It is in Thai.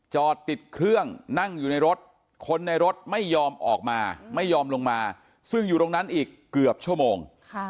จอดติดเครื่องนั่งอยู่ในรถคนในรถไม่ยอมออกมาไม่ยอมลงมาซึ่งอยู่ตรงนั้นอีกเกือบชั่วโมง